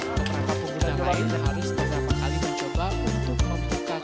beberapa pengguna lain harus beberapa kali mencoba untuk membuka